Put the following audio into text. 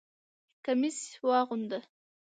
کمیس واغونده!